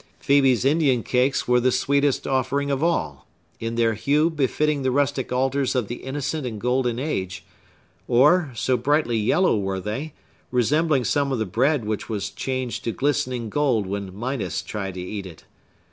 Phœbe's Indian cakes were the sweetest offering of all,—in their hue befitting the rustic altars of the innocent and golden age,—or, so brightly yellow were they, resembling some of the bread which was changed to glistening gold when Midas tried to eat it.